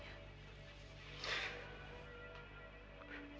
saya sangat menyayangi pernikahan ini